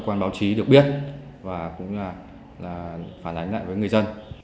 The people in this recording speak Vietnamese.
cơ quan báo chí được biết và cũng là phản ánh lại với người dân